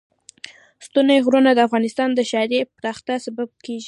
ستوني غرونه د افغانستان د ښاري پراختیا سبب کېږي.